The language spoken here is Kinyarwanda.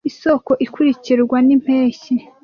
Isoko ikurikirwa nimpeshyi.